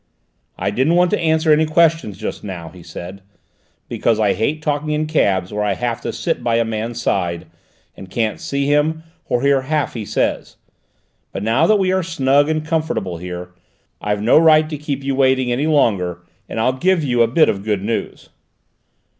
"I didn't want to answer any questions just now," he said, "because I hate talking in cabs where I have to sit by a man's side, and can't see him or hear half he says. But now that we are snug and comfortable here, I've no right to keep you waiting any longer, and I'll give you a bit of good news."